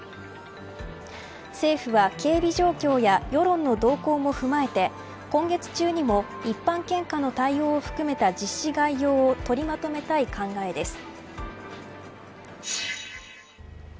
政府は警備状況や世論の動向も踏まえて今月中にも一般献花の対応を含めた実施概要を取りまとめたい考えです。